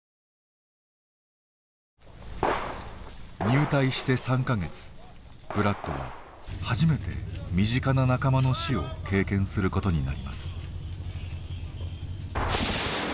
入隊して３か月ブラッドは初めて身近な仲間の死を経験することになります。